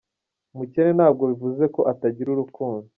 Umukene ntabwo bivuze ko atagira urukundo”.